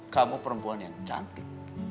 kamu perempuan yang cantik